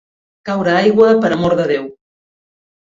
Caure aigua per amor de Déu.